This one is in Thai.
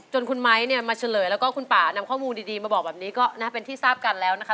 คุณไม้เนี่ยมาเฉลยแล้วก็คุณป่านำข้อมูลดีมาบอกแบบนี้ก็เป็นที่ทราบกันแล้วนะคะ